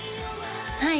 はい